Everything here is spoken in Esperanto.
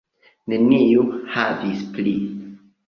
Neniu havis pli.